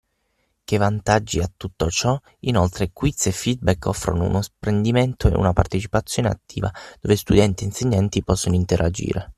Che vantaggi ha tutto ciò? Inoltre quiz e feedback offrono un'apprendimento e una partecipazione attiva dove studenti e insegnanti possono interagire.